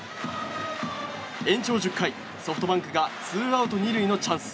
延長１０回、ソフトバンクがツーアウト２塁のチャンス。